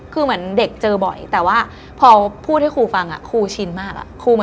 คือเหมือนเด็กเจอบ่อยแต่ว่าพอพูดให้ครูฟังครูชินมาก